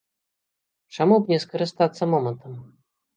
Чаму б не скарыстацца момантам?